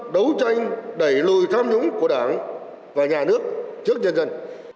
đấu tranh đẩy lùi tham nhũng của đảng và nhà nước trước nhân dân